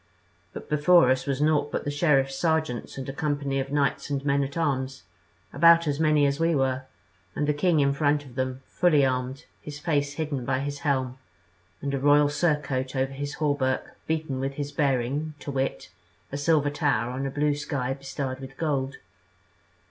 But before us was naught but the sheriffs' sergeants and a company of knights and men at arms, about as many as we were, and the king in front of them, fully armed, his face hidden by his helm, and a royal surcoat over his hauberk beaten with his bearing, to wit, a silver tower on a blue sky bestarred with gold.